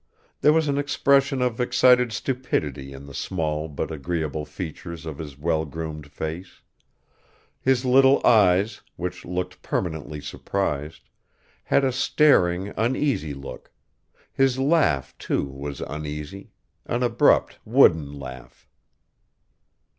There was an expression of excited stupidity in the small but agreeable features of his well groomed face; his little eyes, which looked permanently surprised, had a staring uneasy look, his laugh, too, was uneasy an abrupt wooden laugh.